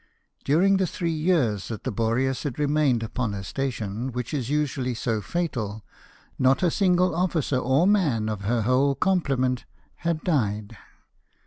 During the three years that the Boreas had remained upon a station which is usually so fatal, not a single officer or man of her whole complement had died.